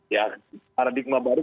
ya paradigma baru